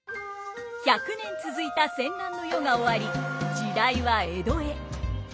１００年続いた戦乱の世が終わり時代は江戸へ。